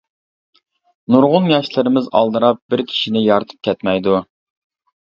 نۇرغۇن ياشلىرىمىز ئالدىراپ بىر كىشىنى يارىتىپ كەتمەيدۇ.